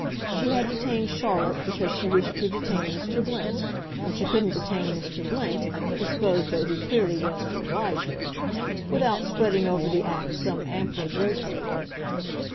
She had detained Charlotte because she wished to detain Mr. Blint, and she couldn't detain Mr. Blint, disposed though he clearly was to oblige her, without spreading over the act some ampler drapery.